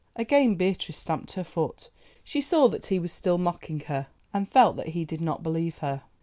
Again Beatrice stamped her foot. She saw that he was still mocking her, and felt that he did not believe her.